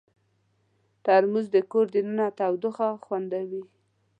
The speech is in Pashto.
ترموز د کور دننه تودوخه خوندوي.